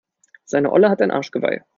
Seine Olle hat ein Arschgeweih.